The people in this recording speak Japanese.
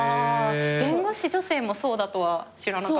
弁護士女性もそうだとは知らなかったです。